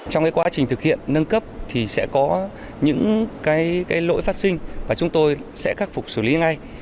trong quá trình thực hiện nâng cấp thì sẽ có những lỗi phát sinh và chúng tôi sẽ khắc phục xử lý ngay